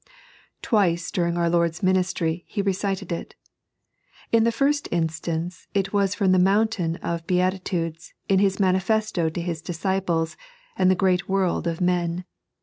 Twice during our Lord's ministry He recited it. In the first instance it was from the Mountain of Beatitudes in His manifesto to His disciples and the great world of men.